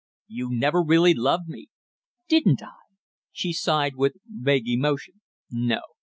"You never really loved me!" "Didn't I?" she sighed with vague emotion. "No."